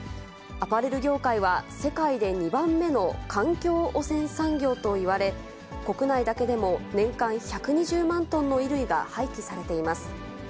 アパレル業界は世界で２番目の環境汚染産業といわれ、国内だけでも年間１２０万トンの衣類が廃棄されています。